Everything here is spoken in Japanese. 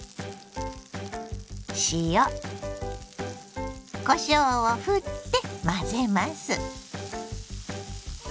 塩こしょうをふって混ぜます。